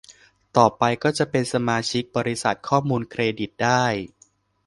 ต่อไปก็จะเป็นสมาชิกบริษัทข้อมูลเครดิตได้